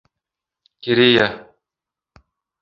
Керея!